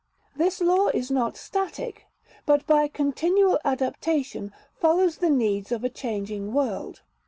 This law is not static, but by continual adaptation follows the needs of a changing world.